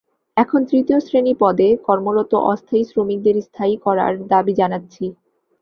এখন তৃতীয় শ্রেণী পদে কর্মরত অস্থায়ী শ্রমিকদের স্থায়ী করার দাবি জানাচ্ছি।